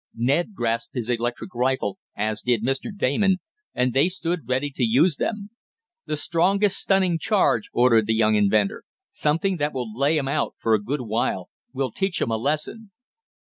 Ned grasped his electric rifle, as did Mr. Damon, and they stood ready to use them. "The strongest stunning charge!" ordered the young inventor. "Something that will lay 'em out for a good while. We'll teach 'em a lesson!"